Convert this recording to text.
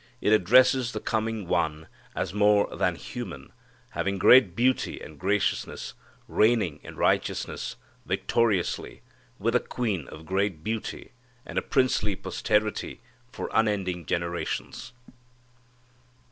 It addresses the coming One as more than human, having great beauty and graciousness, reigning in righteousness, victoriously, with a queen of great beauty, and a princely posterity for unending generations.